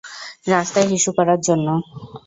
রাস্তায় হিসু করার জন্য!